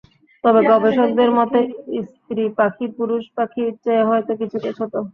তবে গবেষকদের মতে, স্ত্রী পাখি পুরুষ পাখির চেয়ে হয়তো কিছুটা ছোট।